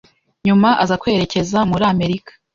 nyuma aza kwerekeza muri Amerika